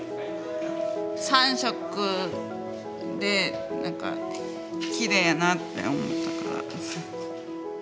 ３色で何かきれいやなって思ったから。